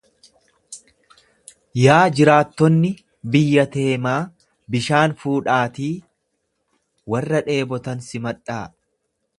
Yaa jiraattonni biyya Teemaa, bishaan fuudhaatii warra dheebotan simadhaa.